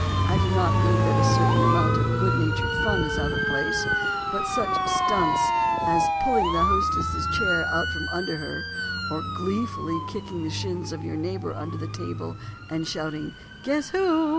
I do not mean that a certain amount of good natured fun is out of place, but such "stunts" as pulling the hostess' chair out from under her—or gleefully kicking the shins of your neighbor under the table and shouting "Guess who?"